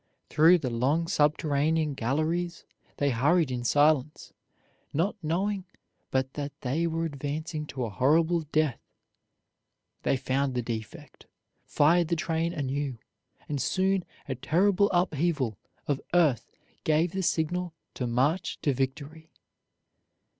Through the long subterranean galleries they hurried in silence, not knowing but that they were advancing to a horrible death. They found the defect, fired the train anew, and soon a terrible upheaval of earth gave the signal to march to victory.